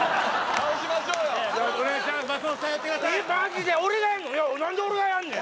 何で俺がやんねん？